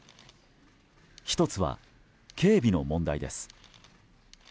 １つは警備の問題です。